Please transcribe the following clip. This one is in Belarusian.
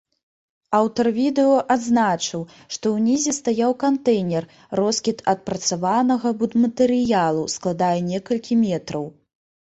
Аўтар відэа адзначыў, што ўнізе стаяў кантэйнер, роскід адпрацаванага будматэрыялу складае некалькі метраў.